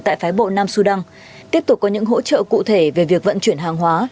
tại phái bộ nam sudan tiếp tục có những hỗ trợ cụ thể về việc vận chuyển hàng hóa